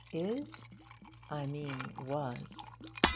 Is? I mean was.